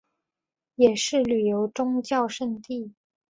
也是旅游宗教胜地。